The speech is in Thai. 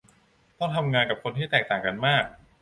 ต้องทำงานกับคนที่แตกต่างกันมาก